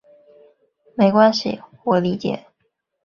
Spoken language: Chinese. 没关系，我理解。